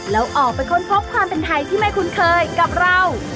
แล้วออกไปค้นพบความเป็นไทยที่ไม่คุ้นเคยกับเรา